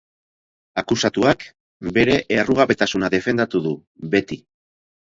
Akusatuak bere errugabetasuna defendatu du beti.